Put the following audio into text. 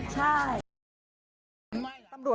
อันนี้สงสัยใช่ไหมว่าไฟไหม้ได้ยังไง